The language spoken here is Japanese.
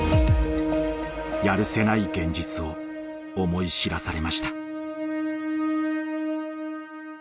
やるせない現実を思い知らされました。